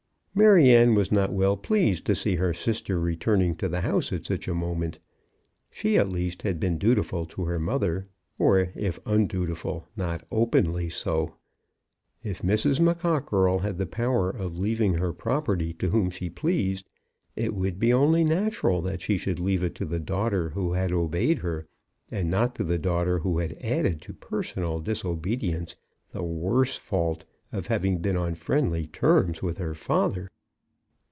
Maryanne was not well pleased to see her sister returning to the house at such a moment. She, at least, had been dutiful to her mother, or, if undutiful, not openly so. If Mrs. McCockerell had the power of leaving her property to whom she pleased, it would be only natural that she should leave it to the daughter who had obeyed her, and not to the daughter who had added to personal disobedience the worse fault of having been on friendly terms with her father.